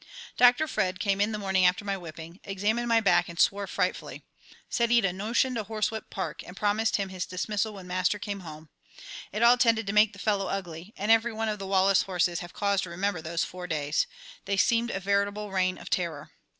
Dr. Fred came in the morning after my whipping, examined my back and swore frightfully. Said he'd a notion to horsewhip Park, and promised him his dismissal when Master came home. It all tended to make the fellow ugly, and every one of the Wallace horses have cause to remember those four days. They seemed a veritable reign of terror.